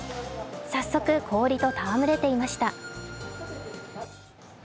早速、氷とたわむれていました。